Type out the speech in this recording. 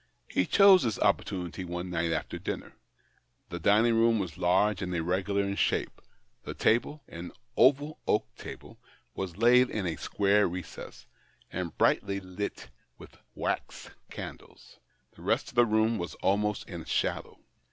He chose his opportunity one night after dinner. The dining room was large and irregular in shape. The table — an oval oak table — was laid in a square recess, and brightly lighted with wax candles ; the rest of the room was almost in shadow.